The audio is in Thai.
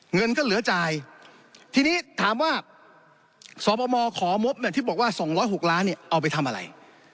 เงินก็เหลือจายทีนี้สอบอบมอร์ขอมบเรียกว่า๒๐๖ล้านนี่เอาไปทำอะไร